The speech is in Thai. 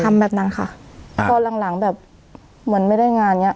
แบบนั้นค่ะพอหลังหลังแบบเหมือนไม่ได้งานเนี้ย